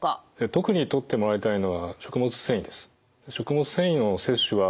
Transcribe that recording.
特にとってもらいたいのは食物繊維です。